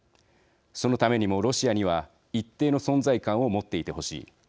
そのためにも、ロシアには一定の存在感を持っていてほしい。